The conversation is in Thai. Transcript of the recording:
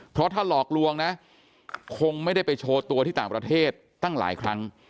เพราะถ้าหลอกลวงนะคงไม่ได้ไปโชว์ตัวที่ต่างประเทศตั้งหลายครั้ง